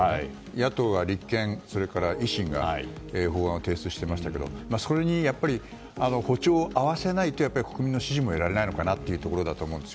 野党は立憲と維新が法案を提出していましたがそれに歩調を合わせないと国民の支持も得られないのかなというところだと思います。